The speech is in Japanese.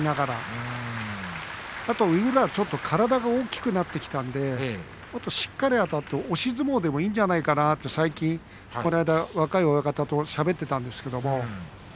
宇良は体が大きくなってきたのでしっかりあたって押し相撲でもいいんじゃないかなと若い親方としゃべっていたんですけど。